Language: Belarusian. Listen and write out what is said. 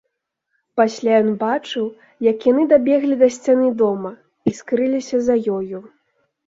Пасля ён бачыў, як яны дабеглі да сцяны дома і скрыліся за ёю.